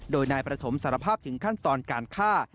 โดยนายประถมสารภาพถึงขั้นตอนการฆ่า